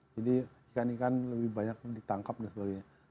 jadi ikan ikan lebih banyak ditangkap dan sebagainya